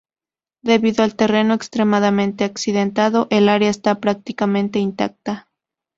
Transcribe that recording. Debido al terreno extremadamente accidentado, el área está prácticamente intacta.